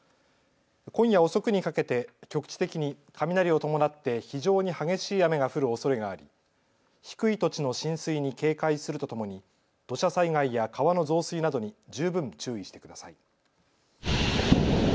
今夜遅くにかけて局地的に雷を伴って非常に激しい雨が降るおそれがあり低い土地の浸水に警戒するとともに土砂災害や川の増水などに十分注意してください。